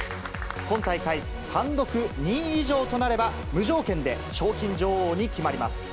今大会単独２位以上となれば、無条件で賞金女王に決まります。